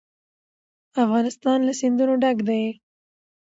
افغانستان له سیندونه ډک دی.